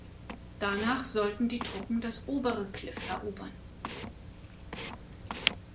Danach sollten die Truppen das obere Kliff erobern.